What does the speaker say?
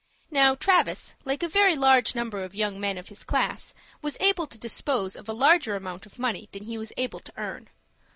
Now, Travis, like a very large number of young men of his class, was able to dispose of a larger amount of money than he was able to earn.